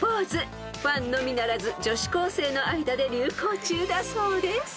［ファンのみならず女子校生の間で流行中だそうです］